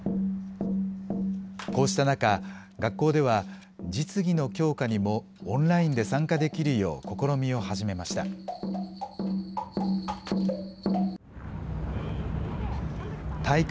こうした中、学校では、実技の教科にもオンラインで参加できるよう試みを始めました。